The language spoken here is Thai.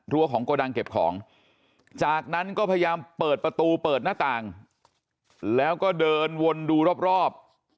ของโกดังเก็บของจากนั้นก็พยายามเปิดประตูเปิดหน้าต่างแล้วก็เดินวนดูรอบ